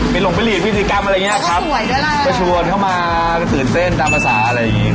หลงไปหลีกพิธีกรรมอะไรอย่างเงี้ยครับก็ชวนเข้ามาตื่นเต้นตามภาษาอะไรอย่างงี้